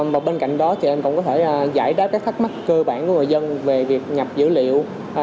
mà bên cạnh đó thì em cũng có thể giải đáp các thắc mắc cơ bản của người dân về việc nhập dữ liệu